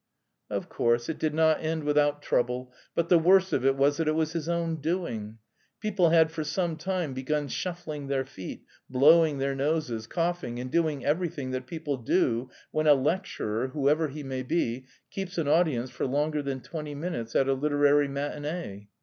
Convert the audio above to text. Of course it did not end without trouble; but the worst of it was that it was his own doing. People had for some time begun shuffling their feet, blowing their noses, coughing, and doing everything that people do when a lecturer, whoever he may be, keeps an audience for longer than twenty minutes at a literary matinée.